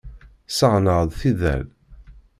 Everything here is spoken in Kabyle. Ssaɣen-aɣ-d tidal.